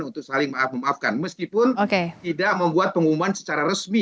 untuk saling maaf memaafkan meskipun tidak membuat pengumuman secara resmi